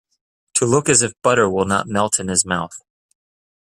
To look as if butter will not melt in his mouth.